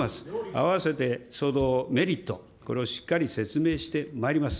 合わせてメリット、これをしっかり説明してまいります。